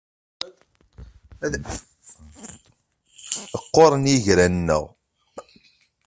Qquren yigran-nneɣ.